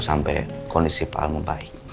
sampai kondisi pak al membaik